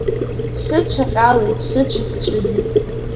Сыцәа ҟьалеит, сыцәа сцәыӡит.